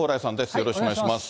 よろしくお願いします。